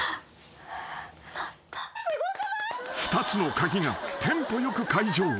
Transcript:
［２つの鍵がテンポよく解錠］